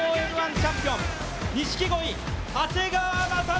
チャンピオン錦鯉、長谷川雅紀